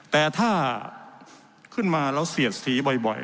แต่ถ้าขึ้นมาแล้วเสียดสีบ่อย